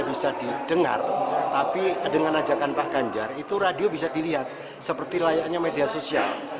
bisa didengar tapi dengan ajakan pak ganjar itu radio bisa dilihat seperti layaknya media sosial